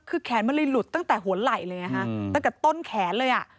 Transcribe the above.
คือแขนมันเลยหลุดตั้งแต่หัวไหล่เลยไงฮะตั้งแต่ต้นแขนเลยอ่ะ